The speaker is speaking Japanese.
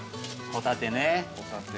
ホタテね。